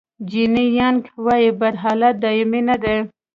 جیني یانګ وایي بد حالت دایمي نه دی.